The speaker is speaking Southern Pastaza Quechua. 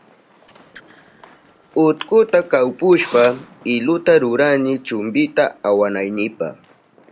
Utkuta kawpushpa iluta rurani chumpita awanaynipa.